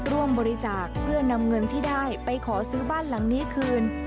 ร่วมบริจาคเพื่อนำเงินที่ได้ไปขอซื้อบ้านหลังนี้คืน